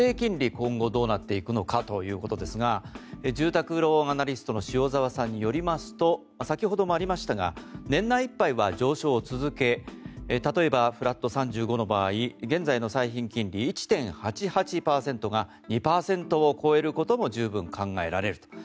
今後どうなっていくのかということですが住宅ローンアナリストの塩澤さんによりますと先ほどもありましたが年内いっぱいは上昇を続け例えばフラット３５の場合現在の最頻金利１．８８％が２％を超えることも十分考えられると。